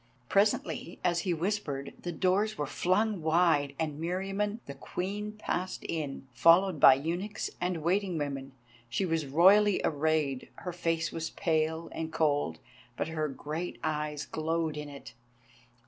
Presently, as he whispered, the doors were flung wide and Meriamun the Queen passed in, followed by eunuchs and waiting women. She was royally arrayed, her face was pale and cold, but her great eyes glowed in it.